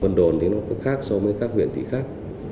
vân đồn thì nó có khác so với các huyện tỷ khác